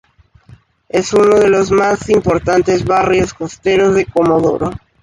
Es uno de los más importantes barrios costeros de Comodoro.